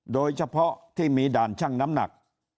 โดยเฉพาะที่มีด่านชั่งน้ำหนัก